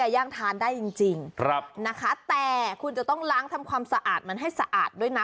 ย่างทานได้จริงนะคะแต่คุณจะต้องล้างทำความสะอาดมันให้สะอาดด้วยนะ